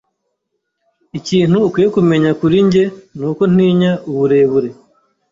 Ikintu ukwiye kumenya kuri njye nuko ntinya uburebure.